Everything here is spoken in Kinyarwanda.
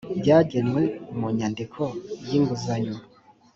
byagenwe mu nyandiko y inguzanyo